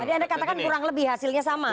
tadi anda katakan kurang lebih hasilnya sama